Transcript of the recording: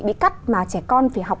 bị cắt mà trẻ con phải học